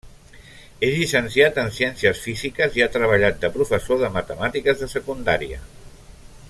És llicenciat en Ciències Físiques i ha treballat de professor de matemàtiques de secundària.